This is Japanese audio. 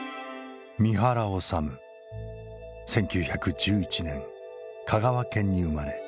１９１１年香川県に生まれ